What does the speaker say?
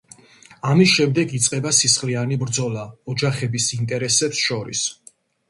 ამის შემდეგ იწყება სისხლიანი ბრძოლა ოჯახების ინტერესებს შორის.